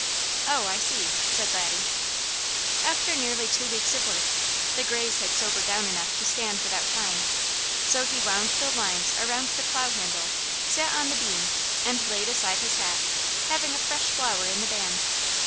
"Oh I see!" said Laddie. After nearly two weeks of work, the grays had sobered down enough to stand without tying; so he wound the lines around the plow handle, sat on the beam, and laid aside his hat, having a fresh flower in the band.